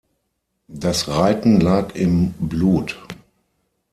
Das Reiten lag im Blut.